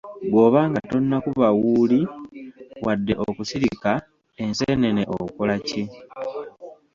Bw'oba nga tonnakuba “wuuli” wadde okusulika enseenene okola ki?